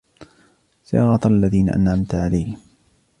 صِرَاطَ الَّذِينَ أَنْعَمْتَ عَلَيْهِمْ